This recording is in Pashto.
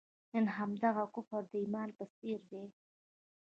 نن همدغه کفر د ایمان په څېر دی.